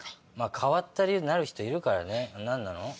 変わった理由でなる人いるからね何なの？